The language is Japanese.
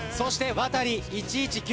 ワタリ１１９。